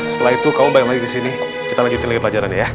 setelah itu kamu balik lagi ke sini kita berjumpa lagi di pelajaran ya